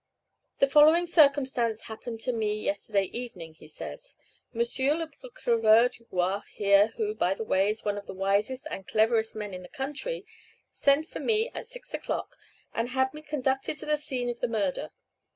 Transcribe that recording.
"The following circumstance happened to me yesterday evening," he says: "M. le Procureur du Roi here, who, by the way, is one of the wisest and cleverest men in the country, sent for me at six o'clock, and had me conducted to the scene of the murder.